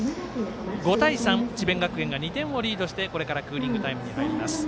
５対３智弁学園が２点をリードしてこれからクーリングタイムに入ります。